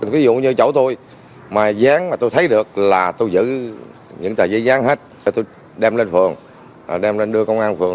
ví dụ như chỗ tôi mà dán mà tôi thấy được là tôi giữ những tờ giấy dán hết tôi đem lên phường đem lên đưa công an phường